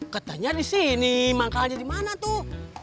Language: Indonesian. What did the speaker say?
katanya disini mangkalnya dimana tuh